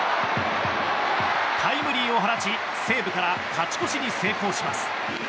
タイムリーを放ち西武から勝ち越しに成功します。